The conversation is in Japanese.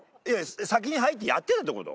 先に入ってやってたってこと？